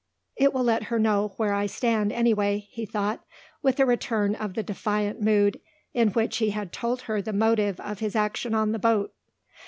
"It will let her know where I stand anyway," he thought, with a return of the defiant mood in which he had told her the motive of his action on the boat.